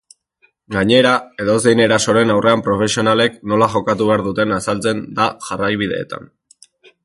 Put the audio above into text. Gainera, edozein erasoren aurrean profesionalek nola jokatu behar duten azaltzen da jarraibideetan.